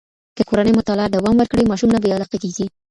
که کورنۍ مطالعه دوام ورکړي، ماشوم نه بې علاقې کېږي.